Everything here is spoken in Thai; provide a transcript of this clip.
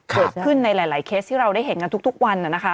เกิดขึ้นในหลายเคสที่เราได้เห็นกันทุกวัน